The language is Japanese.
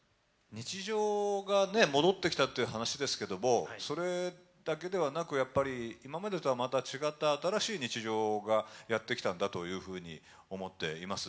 日常が戻ってきたっていう話ですけどもそれだけではなく、やっぱり今までとはまた違った新しい日常がやってきたんだというふうに思っています。